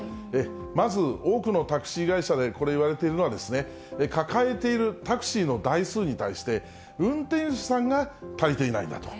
まず多くのタクシー会社で、これ、いわれているのは、抱えているタクシーの台数に対して、運転手さんが足りていないんだと。